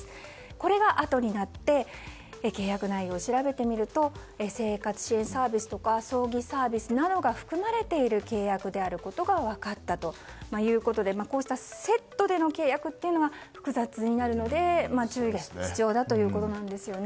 これが、あとになって契約内容を調べてみると生活支援サービスとか葬儀サービスなどが含まれている契約であることが分かったということでこうしたセットでの契約が複雑になるので注意が必要だということですよね。